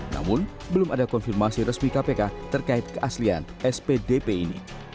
namun belum ada konfirmasi resmi kpk terkait keaslian spdp ini